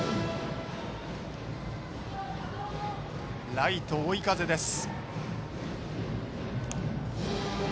ライトは追い風です。